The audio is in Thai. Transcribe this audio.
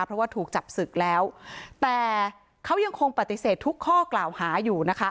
เพราะว่าถูกจับศึกแล้วแต่เขายังคงปฏิเสธทุกข้อกล่าวหาอยู่นะคะ